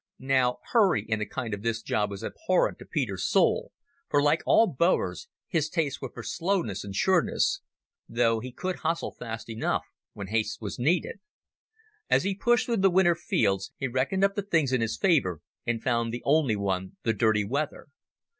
Now hurry in a job of this kind was abhorrent to Peter's soul, for, like all Boers, his tastes were for slowness and sureness, though he could hustle fast enough when haste was needed. As he pushed through the winter fields he reckoned up the things in his favour, and found the only one the dirty weather.